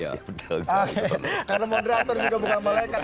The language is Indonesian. karena moderator juga bukan malaikat